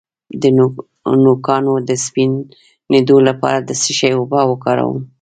د نوکانو د سپینیدو لپاره د څه شي اوبه وکاروم؟